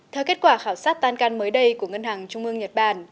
theo kết quả khảo sát tan can mới đây của ngân hàng trung ương nhật bản